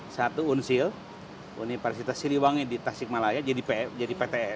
satu unsil universitas siliwangi di tasikmalaya jadi ptn